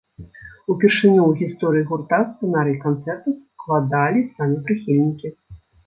Упершыню ў гісторыі гурта сцэнарый канцэрта складалі самі прыхільнікі.